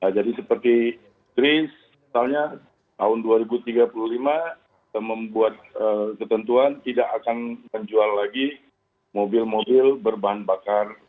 jadi seperti greece misalnya tahun dua ribu tiga puluh lima membuat ketentuan tidak akan menjual lagi mobil mobil berbahan bakar